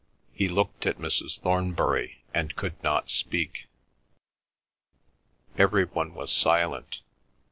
He looked at Mrs. Thornbury and could not speak. Every one was silent.